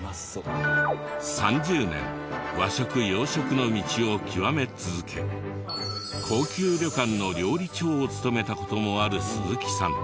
３０年和食洋食の道を究め続け高級旅館の料理長を務めた事もある鈴木さん。